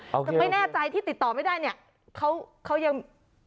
แต่ไม่แน่ใจที่ติดต่อไม่ได้เนี่ยเขายัง